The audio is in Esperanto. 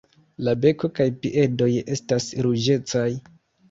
La beko kaj piedoj estas ruĝecaj.